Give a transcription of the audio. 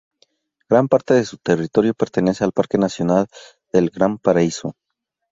Gran parte de su territorio pertenece al Parque nacional del Gran Paraíso.